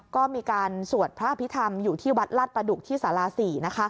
ก็มีการสวดพระอภิษฐรรมอยู่ที่วัดลาดประดุกที่สารา๔